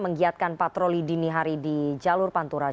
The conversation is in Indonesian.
menggiatkan patroli dini hari di jalur pantura